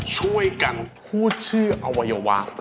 ช่วยกันพูดชื่ออวัยวะ